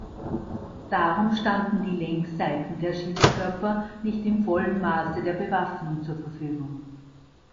Darum standen die Längsseiten der Schiffskörper nicht im vollen Maße der Bewaffnung zur Verfügung.